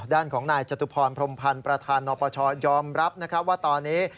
ด้านของนายจตุพรพรมพันธ์ประธานประชอยอมรับว่าตอนนี้